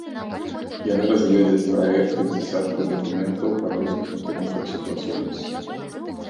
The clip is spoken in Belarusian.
Яны разгледзяць праекты дзясяткаў дакументаў па розных накірунках супрацоўніцтва.